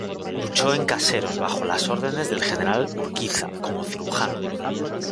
Luchó en Caseros bajo las órdenes del General Urquiza, como cirujano.